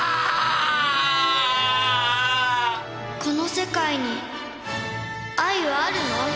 この世界に愛はあるの？